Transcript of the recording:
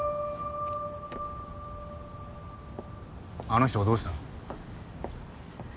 あの人がどうした？